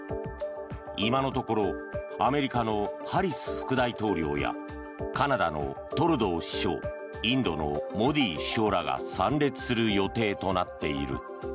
今のところアメリカのハリス副大統領やカナダのトルドー首相インドのモディ首相らが参列する予定となっている。